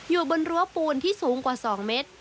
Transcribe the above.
อยู่บนรั้วปูนที่สูงกว่า๒เมตร